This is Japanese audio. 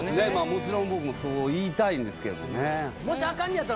もちろん僕もそう言いたいんですけどもね